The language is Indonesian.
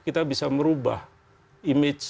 kita bisa merubah image